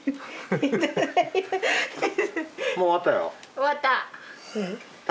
終わった。